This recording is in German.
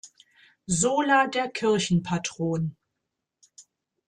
Sola der Kirchenpatron.